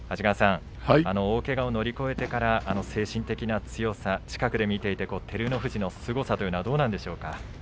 大けがを乗り越えてから精神的な強さ、近くで見ていて照ノ富士のすごさはどうなんでしょうか？